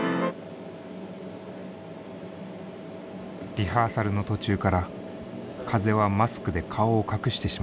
リハーサルの途中から風はマスクで顔を隠してしまった。